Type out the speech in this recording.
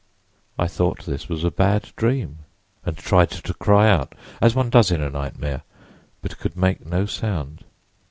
"I thought this a bad dream and tried to cry out, as one does in a nightmare, but could make no sound.